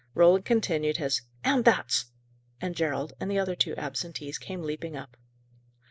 Roland continued his "and thats!" and Gerald and the other two absentees came leaping up.